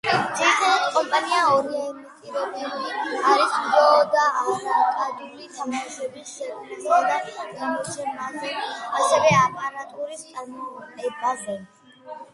ძირითადად კომპანია ორიენტირებული არის ვიდეო და არკადული თამაშების შექმნასა და გამოცემაზე, ასევე აპარატურის წარმოებაზე.